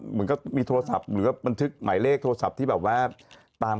เหมือนกับมีโทรศัพท์หรือว่าบันทึกหมายเลขโทรศัพท์ที่แบบว่าตาม